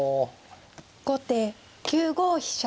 後手９五飛車。